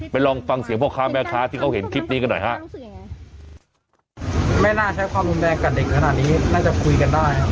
ไปลองฟังเสียงพ่อค้าแม่ค้าที่เขาเห็นคลิปนี้กันหน่อยฮะไม่น่าใช้ความแม่กับเด็กขนาดนี้